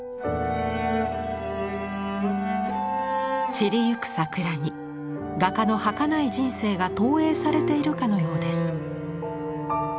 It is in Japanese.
散りゆく桜に画家のはかない人生が投影されているかのようです。